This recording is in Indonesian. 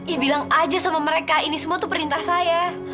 ya bilang aja sama mereka ini semua itu perintah saya